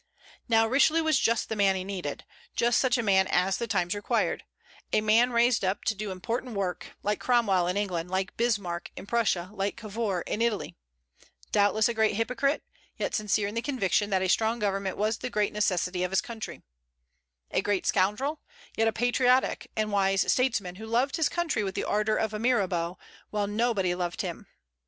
Now Richelieu was just the man he needed, just such a man as the times required, a man raised up to do important work, like Cromwell in England, like Bismarck in Prussia, like Cavour in Italy: doubtless a great hypocrite, yet sincere in the conviction that a strong government was the great necessity of his country; a great scoundrel, yet a patriotic and wise statesman, who loved his country with the ardor of a Mirabeau, while nobody loved him.